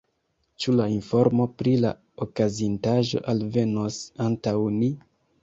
Ĉu la informo pri la okazintaĵo alvenos antaŭ ni?